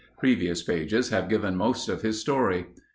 Previous pages have given most of his story.